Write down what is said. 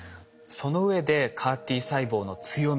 そのうえでＣＡＲ−Ｔ細胞の強み